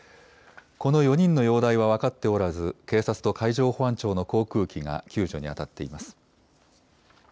この４人の容体は分かっておらず、警察と海上保安庁の航空機が救助に当たっています。